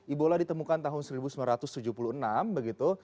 ebola ditemukan tahun seribu sembilan ratus tujuh puluh enam begitu